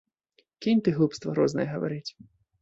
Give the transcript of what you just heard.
Кінь ты глупства рознае гаварыць.